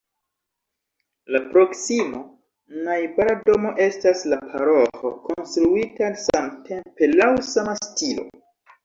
La proksima, najbara domo estas la paroĥo konstruita samtempe laŭ sama stilo.